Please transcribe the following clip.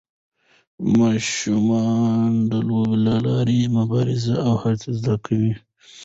ماشومان د لوبو له لارې مبارزه او هڅه زده کوي.